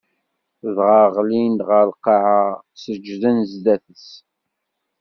Dɣa ɣlin ɣer lqaɛa, seǧǧden zdat-s.